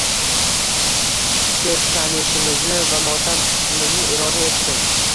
– seskanishimizni va motam tutishimizni iroda etdi.